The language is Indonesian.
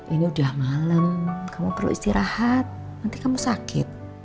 ini udah malam kamu perlu istirahat nanti kamu sakit